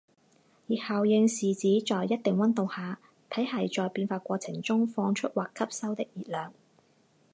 热效应是指在一定温度下，体系在变化过程中放出或吸收的热量。